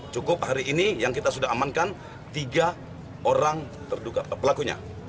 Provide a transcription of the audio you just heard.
cukup hari ini yang kita sudah amankan tiga orang pelakunya